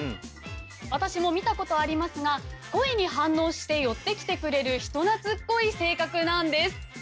私も見たことありますが声に反応して寄ってきてくれる人懐っこい性格なんです